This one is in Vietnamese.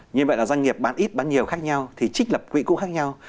như vậy là doanh nghiệp bán ít bán nhiều khác nhau thì trích lập quỹ cũng khác nhau